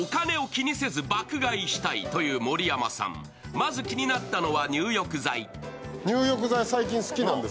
まず気になったのは入浴剤。